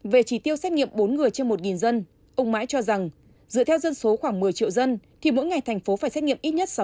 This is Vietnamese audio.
về chỉ tiêu xét nghiệm bốn người trên một dân ông mãi cho rằng dựa theo dân số khoảng một mươi triệu dân thì mỗi ngày thành phố phải xét nghiệm ít nhất